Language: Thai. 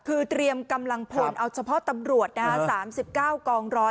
คือเตรียมกำลังพลเอาเฉพาะตำรวจ๓๙กองร้อย